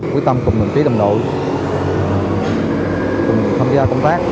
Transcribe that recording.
quyết tâm cùng đồng chí đồng đội cùng tham gia công tác